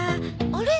あれ？